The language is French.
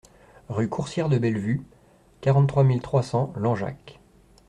Rue Coursière de Bellevue, quarante-trois mille trois cents Langeac